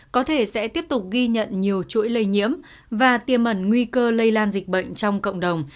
có thể sẽ tiếp tục ghi nhận nhiều chuỗi lây nhiễm và tiềm ẩn nguy cơ lây lan dịch bệnh trong cộng đồng